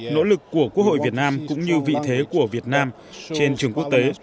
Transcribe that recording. nỗ lực của quốc hội việt nam cũng như vị thế của việt nam trên trường quốc tế